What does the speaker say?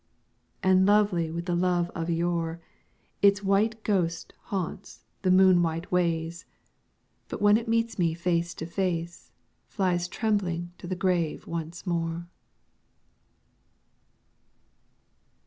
And lovely with the love of yore, Its white ghost haunts the moon white ways; But when it meets me face to face, Flies trembling to the grave once more.